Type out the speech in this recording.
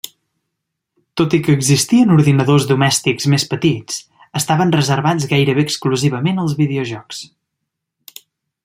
Tot i que existien ordinadors domèstics més petits, estaven reservats gairebé exclusivament als videojocs.